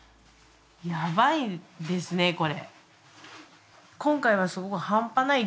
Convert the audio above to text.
やばいですねこれ。